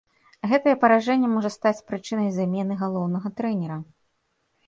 Гэтае паражэнне можа стаць прычынай замены галоўнага трэнера.